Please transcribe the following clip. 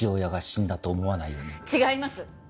違います！